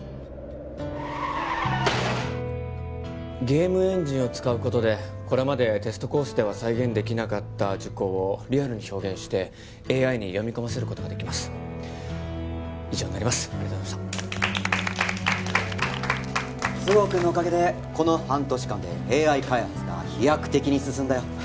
ゲームエンジンを使うことでこれまでテストコースでは再現できなかった事故をリアルに表現してＡＩに読み込ませることができます以上になりますありがとうございました菅生くんのおかげでこの半年間でＡＩ開発が飛躍的に進んだよ